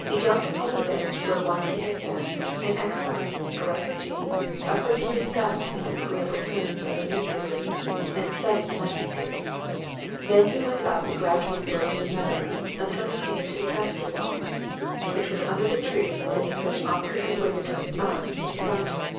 He jumped upon the bench where once he had sat, an exile, a refugee, a person discussed in disagreeable terms by the newspapers, and studied the landscape. Then he went on up the gradual slope of the meadow, until he came to the pasture wall. It was under the trees beneath which Oscar had waited for Zmai that he found her.